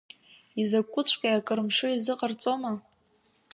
Изакәыҵәҟьеи, акыр мшы иазыҟарҵома?!